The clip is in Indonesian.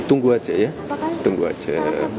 tunggu aja ya tunggu aja